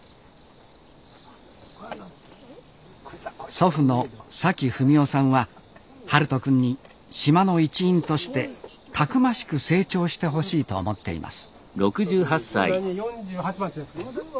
祖父の崎文夫さんは陽翔くんに島の一員としてたくましく成長してほしいと思っています